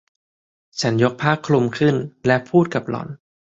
ฉันยกผ้าคลุมขึ้นและพูดกับหล่อน